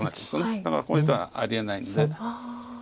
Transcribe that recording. だからこういう手はありえないんで。